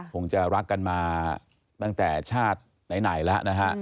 คงจะรักกันมาตั้งแต่ชาติไหนแล้วนะฮะ